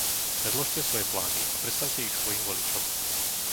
Predložte svoje plány a predstavte ich svojim voličom.